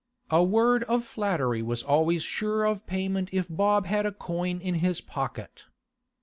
A word of flattery was always sure of payment if Bob had a coin in his pocket.